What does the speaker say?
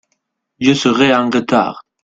Je serai an retard.